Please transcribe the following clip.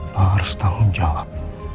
lo harus tanggung jawab